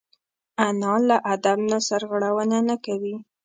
انا له ادب نه سرغړونه نه کوي